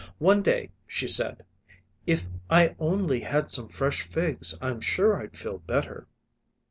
One day she said: "If I only had some fresh figs I'm sure I'd feel better."